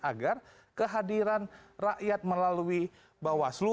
agar kehadiran rakyat melalui bawaslu